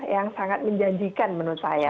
yang sangat menjanjikan menurut saya